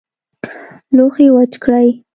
لوښي وچ کړئ